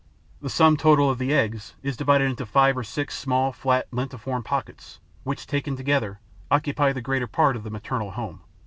The sum total of the eggs is divided into five or six small, flat, lentiform pockets, which, taken together, occupy the greater part of the maternal home.